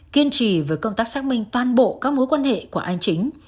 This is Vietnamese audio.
kiên trì với công tác xác minh toàn bộ các mối quan hệ của anh chính